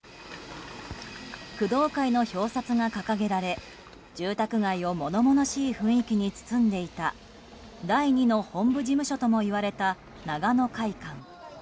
工藤会の表札が掲げられ住宅街を物々しい雰囲気に包んでいた第２の本部事務所ともいわれた長野会館。